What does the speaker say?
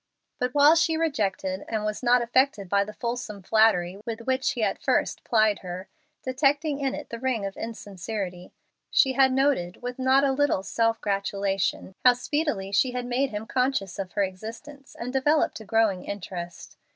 But while she rejected and was not affected by the fulsome flattery with which he at first plied her, detecting in it the ring of insincerity, she had noted, with not a little self gratulation, how speedily she had made him conscious of her existence and developed a growing interest.